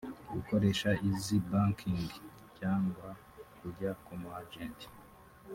gukoresha Eazzy Banking cyangwa kujya ku mu Agent”